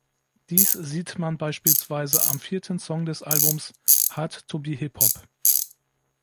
Dies sieht man beispielsweise am vierten Song des Albums "Hard to Be Hip Hop".